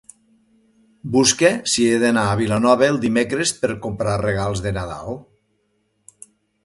Busca si he d'anar a Vilanova el dimecres per comprar regals de Nadal.